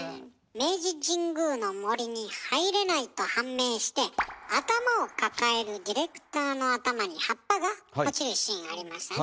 明治神宮の森に入れないと判明して頭を抱えるディレクターの頭に葉っぱが落ちるシーンありましたね。